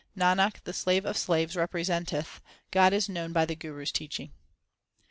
Nanak, the slave of slaves representeth, God is known by the Guru s teaching.